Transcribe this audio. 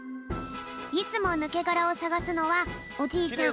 いつもぬけがらをさがすのはおじいちゃん